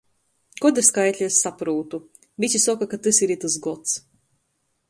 Goda skaitli es saprūtu, vysi soka, ka tys ir itys gods.